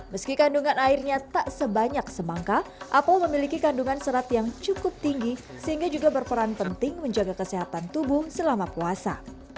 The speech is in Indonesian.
meski kandungan airnya tak sebanyak semangka apel memiliki kandungan serat yang cukup tinggi sehingga juga berperan penting menjaga kesehatan tubuh selama puasa